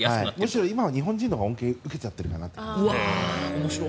むしろ今は日本人のほうが恩恵を受けているかなと。